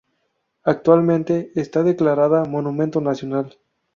Actualmente está declarada "Monumento Nacional".